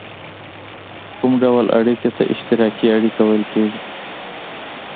کوم ډول اړیکې ته اشتراکي اړیکه ویل کیږي؟